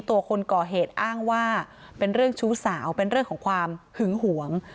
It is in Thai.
ตัวคนก่อเหตุอ้างว่าเป็นเรื่องชู้สาวเป็นเรื่องของความหึงหวง